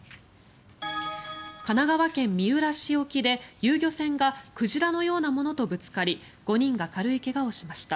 神奈川県三浦市沖で、遊漁船が鯨のようなものとぶつかり５人が軽い怪我をしました。